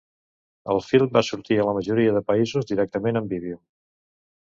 El film va sortir a la majoria de països directament en vídeo.